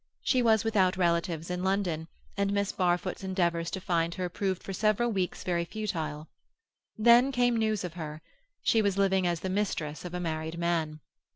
She was without relatives in London, and Miss Barfoot's endeavours to find her proved for several weeks very futile. Then came news of her; she was living as the mistress of a married man.